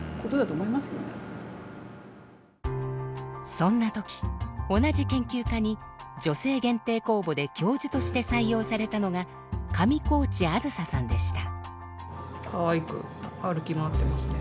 そんな時同じ研究科に女性限定公募で教授として採用されたのが上川内あづささんでした。